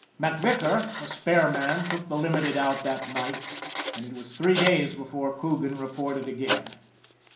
Mac Vicar, a spare man, took the Limited out that night, and it was three days before Coogan reported again.